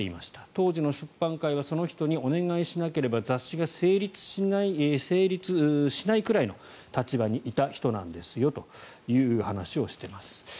当時の出版界はその人にお願いしなければ雑誌が成立しないくらいの立場にいた人なんですよという話をしています。